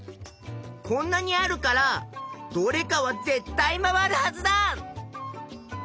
こんなにあるからどれかはぜったい回るはずだ！